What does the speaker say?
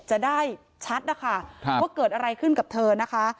จะได้ชัดนะคะว่าเกิดอะไรขึ้นกับเธอนะคะ